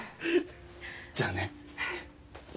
じゃあね。